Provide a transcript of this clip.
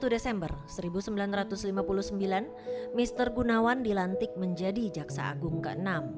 satu desember seribu sembilan ratus lima puluh sembilan mr gunawan dilantik menjadi jaksa agung ke enam